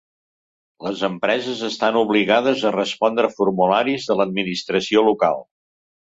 Les empreses estan obligades a respondre formularis de l'administració local.